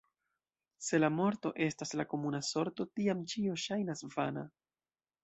Se la morto estas la komuna sorto, tiam ĉio ŝajnas vana.